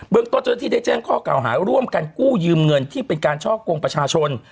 เจ้าหน้าที่ได้แจ้งข้อเก่าหาร่วมกันกู้ยืมเงินที่เป็นการช่อกงประชาชน